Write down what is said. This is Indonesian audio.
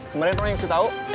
kemarin roy ngasih tahu